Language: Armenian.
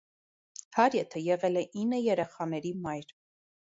Հարիեթը եղել է ինը երեխաների մայր։